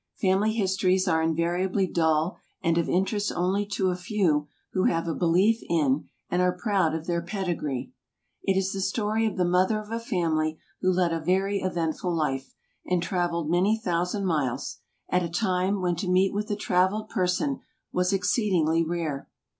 Family histories are invariably dull and of interest only to a few who have a belief in, and are proud of, their pedigree. It is the story of the mother of a family who led a very eventful life and traveled many thousand miles, at a time when to meet with a trav eled person was exceedingly rare.